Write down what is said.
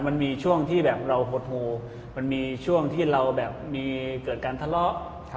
มันมีช่วงที่แบบเราหดหูมันมีช่วงที่เราแบบมีเกิดการทะเลาะ